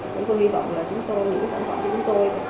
chúng tôi hy vọng là những cái sản phẩm của chúng tôi